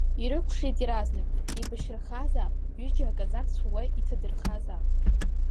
Ирыкәшеит иаразнак, еибашьрахазаап, ҩыџьа аказакцәа уа иҭадырхазаап.